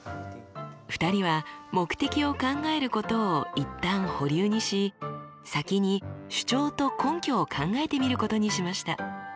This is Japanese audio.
２人は目的を考えることを一旦保留にし先に主張と根拠を考えてみることにしました。